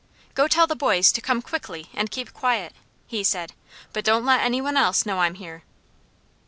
"Go tell the boys to come quickly and keep quiet," he said. "But don't let any one else know I'm here."